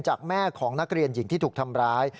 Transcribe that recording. จากแม่ของนักเรียนหญิงที่ถูกทำร้าย